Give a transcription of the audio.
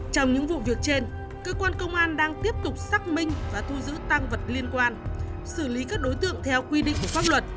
trong những vụ việc trên cơ quan công an đang tiếp tục xác minh và thu giữ tăng vật liên quan xử lý các đối tượng theo quy định